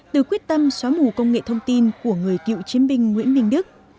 từ quyết tâm xóa mù công nghệ thông tin của người cựu chiến binh nguyễn minh đức